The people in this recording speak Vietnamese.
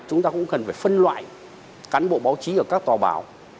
chúng ta cũng cần phải phân loại cán bộ báo chí ở các tòa báo